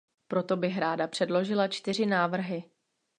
Proto bych ráda předložila čtyři návrhy.